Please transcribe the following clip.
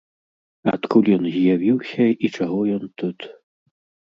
Адкуль ён з'явіўся і чаго ён тут.